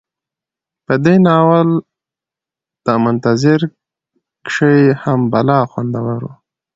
په دې ناول ته منظره کشي هم بلا خوندوره وه